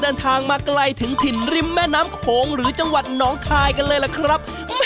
เดินทางมาไกลถึงถิ่นริมแม่น้ำโขงหรือจังหวัดหนองคายกันเลยล่ะครับ